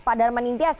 pak darman nintias